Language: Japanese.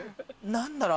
何だろう